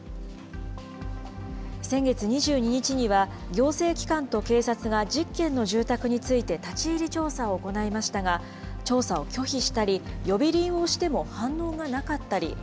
先月２２日には、行政機関と警察が１０軒の住宅について立ち入り調査を行いましたが、調査を拒否したり、呼び鈴を押しても反応がなかったり。